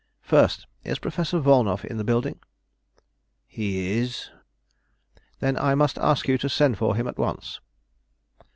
"First, is Professor Volnow in the building?" "He is." "Then I must ask you to send for him at once."